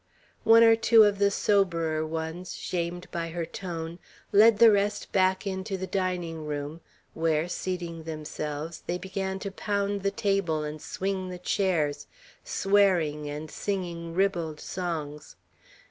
One or two of the soberer ones, shamed by her tone, led the rest back into the dining room, where, seating themselves, they began to pound the table and swing the chairs, swearing, and singing ribald songs.